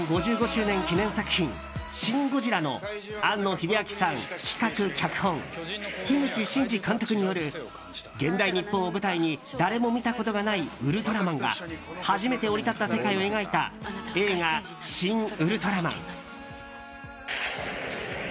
５５周年記念作品「シン・ゴジラ」の庵野秀明さん企画、脚本樋口真嗣監督による現代日本を舞台に誰も見たことがないウルトラマンが初めて降り立った世界を描いた映画「シン・ウルトラマン」。